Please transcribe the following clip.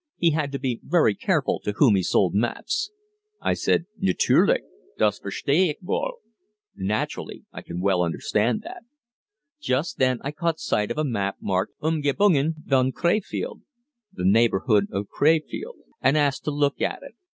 he had to be very careful to whom he sold maps. I said, "Natürlich, das verstehe ich wohl" (Naturally, I can well understand that). Just then I caught sight of a map marked "Umgebungen von Krefeld" (The Neighborhood of Crefeld), and asked to look at it.